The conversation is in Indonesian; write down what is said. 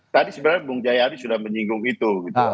tadi sebenarnya bung jayadi sudah menyinggung itu